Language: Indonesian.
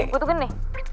gue tuh gini